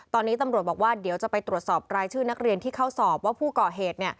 ตอนนี้ตำรวจบอกว่าเดี๋ยวจะไปตรวจสอบรายชื่อนักเรียนที่เข้าสอบว่าผู้ก่อเหตุ